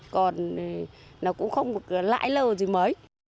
còn nó cũng không có người mua